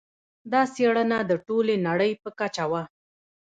دا څېړنه د ټولې نړۍ په کچه وه.